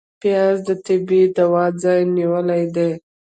پیاز د طبعي دوا ځای نیولی دی